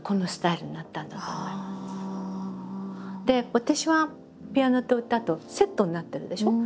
私はピアノと歌とセットになってるでしょ。